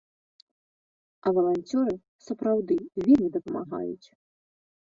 А валанцёры сапраўды вельмі дапамагаюць.